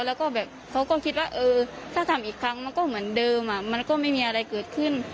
แล้วก็แบบเขาก็คิดว่าเออถ้าทำอีกครั้งมันก็เหมือนเดิมมันก็ไม่มีอะไรเกิดขึ้น